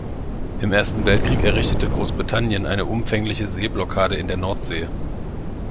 Im Ersten Weltkrieg errichtete Großbritannien eine umfängliche Seeblockade in der Nordsee.